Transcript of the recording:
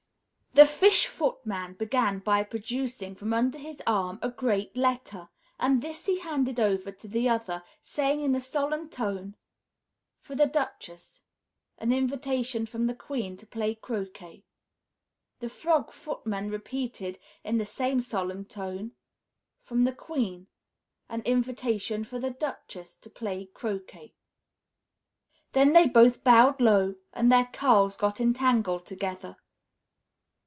The Fish Footman began by producing from under his arm a great letter, and this he handed over to the other, saying, in a solemn tone, "For the Duchess. An invitation from the Queen to play croquet." The Frog Footman repeated, in the same solemn tone, "From the Queen. An invitation for the Duchess to play croquet." Then they both bowed low and their curls got entangled together.